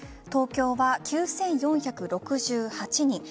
東京は９４６８人。